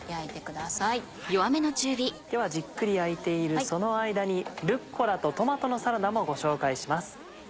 ではじっくり焼いているその間に「ルッコラとトマトのサラダ」もご紹介します。